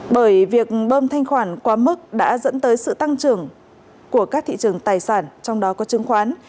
bởi việc bơm thanh khoản quá mức đã dẫn tới sự tăng trưởng của các thị trường tài sản trong đó có chứng khoán